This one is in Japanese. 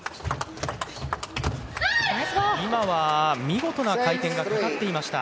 今は見事な回転がかかっていました。